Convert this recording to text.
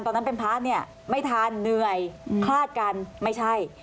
ตอนนั้นเป็นพระเนี่ยไม่ทันเหนื่อยคลาดกันไม่ใช่